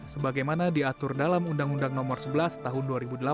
sebagaimana diatur dalam undang undang nomor sebelas tahun dua ribu delapan